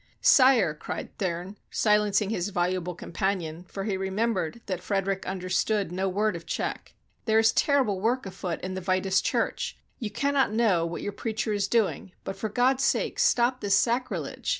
"Sire!" cried Thurn, silencing his voluble compan ion, for he remembered that Frederick understood no word of Czech, " there is terrible work afoot in the Vitus Church ! You cannot know what your preacher is doing, but, for God's sake, stop this sacrilege!